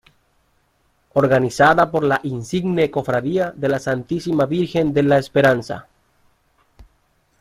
Organizada por la Insigne Cofradía de la Santísima Virgen de la Esperanza.